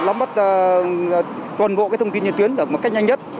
lắm mất toàn bộ thông tin nhân tuyến được một cách nhanh nhất